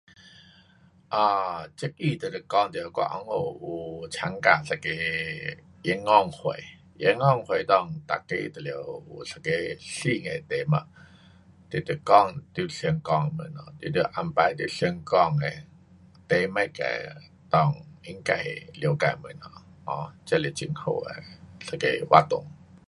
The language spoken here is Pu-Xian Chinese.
um 这个就是讲到我温故有参加一个演讲会，演讲会内大家都得有一个新的题目。你得讲你有想讲什么你得安排你想讲的题目的内应该了解的东西，um 这是一个很好的活动。